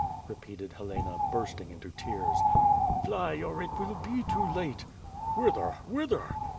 repeated Helena, bursting into tears. "Fly, or it will be too late.'' "Whither? Whither?"